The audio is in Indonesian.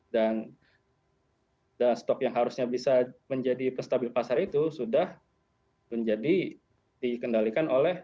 dan stok yang harusnya bisa menjadi pestabil pasar itu sudah menjadi dikendalikan oleh